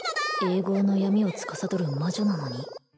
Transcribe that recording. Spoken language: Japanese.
永劫の闇をつかさどる魔女なのに？